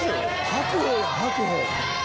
白鵬や白鵬。